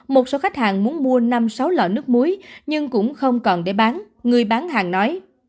một số khách hàng muốn mua năm sáu lọ nước muối nhưng cũng không còn để bán người bán hàng nói